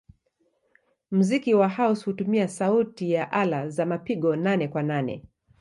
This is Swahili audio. Muziki wa house hutumia sauti ya ala za mapigo nane-kwa-nane.